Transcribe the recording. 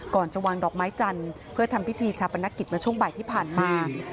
ก่อนจะวางดอกไม้จันทร์เพื่อทำพิธีชาปนกิจมาช่วงบ่ายที่ผ่านมา